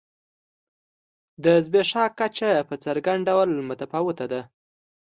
د زبېښاک کچه په څرګند ډول متفاوته ده.